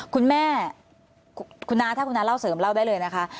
คุณแม่คุณน้าถ้าคุณน้าเล่าเสริมเล่าได้เลยนะคะ